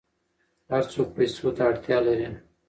هر څوک پیسو ته اړتیا لري.